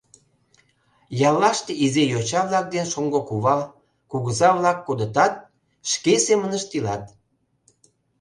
Яллаште изи йоча-влак ден шоҥго кува, кугыза-влак кодытат, шке семынышт илат.